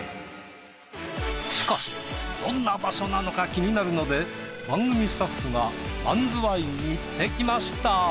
しかしどんな場所なのか気になるので番組スタッフがマンズワインに行ってきました。